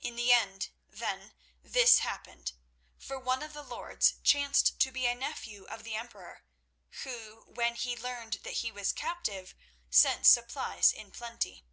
In the end, then, this happened, for one of the lords chanced to be a nephew of the Emperor, who, when he learned that he was captive, sent supplies in plenty.